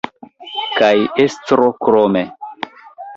Kaj estro krome.